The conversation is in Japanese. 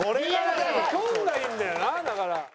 きょんがいいんだよなだから。